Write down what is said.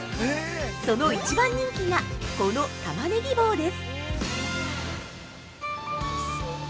その一番人気がこのたまねぎ棒です。